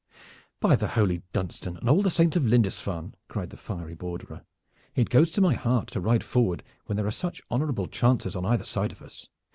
"By the holy Dunstan and all the saints of Lindisfarne!" cried the fiery Borderer, "it goes to my heart to ride forward when there are such honorable chances on either side of us.